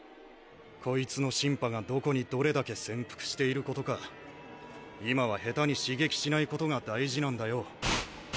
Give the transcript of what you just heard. こいつのシンパがどこにどれだけ潜伏していることか今は下手に刺激しない事が大事なんだよ。